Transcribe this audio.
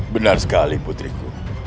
benar sekali putriku